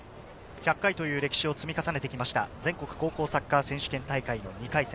１００回という歴史を積み重ねてきた全国高校サッカー選手権大会の２回戦。